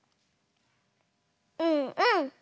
うんうん。